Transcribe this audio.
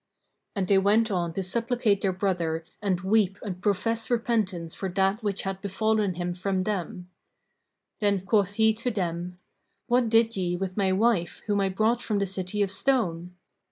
And they went on to supplicate their brother and weep and profess repentance for that which had befallen him from them[FN#543]. Then quoth he to them, "What did ye with my wife whom I brought from the City of Stone?"